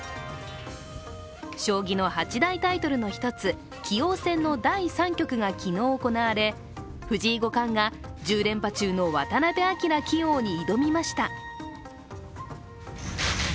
将棋の８大タイトルの１つ棋王戦の第３局が昨日行われ藤井五冠が１０連覇中の渡辺明棋王に挑みました。